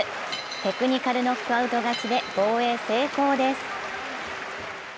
テクニカル・ノックアウト勝ちで防衛成功です。